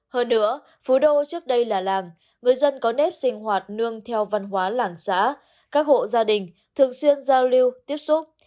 hơn nữa phú đô trước đây là làng người dân có nếp sinh hoạt nương theo văn hóa làng xã các hộ gia đình thường xuyên giao lưu tiếp xúc